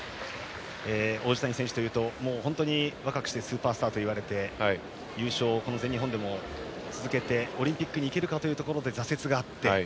王子谷選手というと本当に若くしてスーパースターといわれて優勝をこの全日本でも続けてオリンピックに行けるかというところで挫折があって。